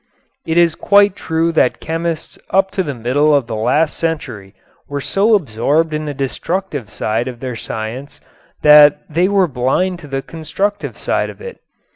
It is quite true that chemists up to the middle of the last century were so absorbed in the destructive side of their science that they were blind to the constructive side of it.